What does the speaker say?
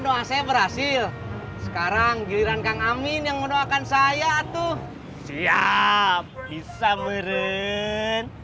doa saya berhasil sekarang giliran kang amin yang mendoakan saya tuh siap bisa mirip